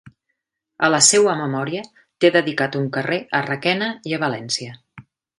A la seua memòria té dedicat un carrer a Requena i a València.